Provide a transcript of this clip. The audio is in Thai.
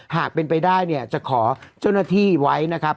หากเป็นไปได้เนี่ยจะขอเจ้าหน้าที่ไว้นะครับ